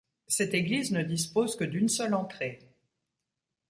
Cette église ne dispose que d'une seule entrée.